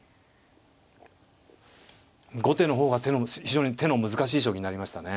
後手の方が手の非常に手の難しい将棋になりましたね。